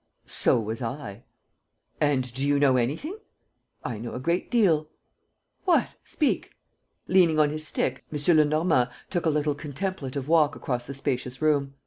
"So was I." "And do you know anything?" "I know a great deal." "What? Speak!" Leaning on his stick, M. Lenormand took a little contemplative walk across the spacious room.